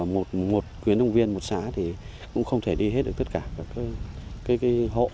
một khuyến động viên một xã thì cũng không thể đi hết được tất cả các hộ